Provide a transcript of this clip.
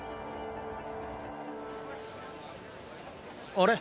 あれ？